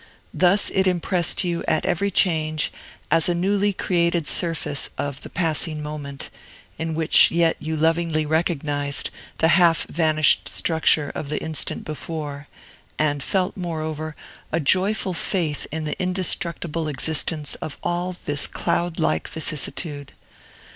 Thus it impressed you, at every change, as a newly created structure of the passing moment, in which yet you lovingly recognized the half vanished structure of the instant before, and felt, moreover, a joyful faith in the indestructible existence of all this cloudlike vicissitude.